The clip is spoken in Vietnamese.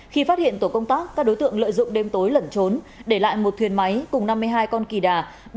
khi phát hiện tổ công tác các đối tượng lợi dụng đêm tối lẩn trốn để lại một thuyền máy cùng năm mươi hai con kỳ đà